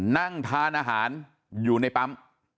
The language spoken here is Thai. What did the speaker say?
นั่งทานอาหารอยู่ในปั๊ม